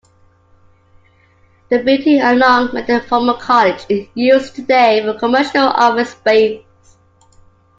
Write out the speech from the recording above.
The building, along with the former college, is used today for commercial office space.